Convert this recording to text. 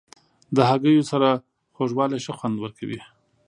د هګیو سره خوږوالی ښه خوند ورکوي.